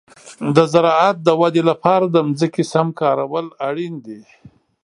د زراعت د ودې لپاره د ځمکې سم کارول اړین دي.